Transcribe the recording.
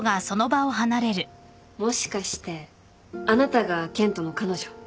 もしかしてあなたが健人の彼女？